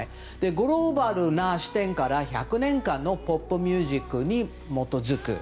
グローバルな視点から１００年間のポップミュージックに基づく。